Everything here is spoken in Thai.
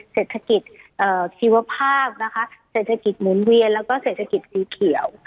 เศรษฐกิจชีวภาพนะคะเศรษฐกิจหมุนเวียนแล้วก็เศรษฐกิจสีเขียว